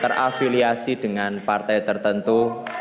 terafiliasi dengan partai tertentu